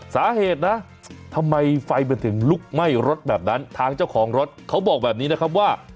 สาเหตุนะทำไมไฟมันถึงลุกไหม้รถแบบนั้นทางเจ้าของรถเขาบอกแบบนี้นะครับว่า